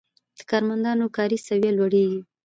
د کارمندانو کاري سویه لوړیږي.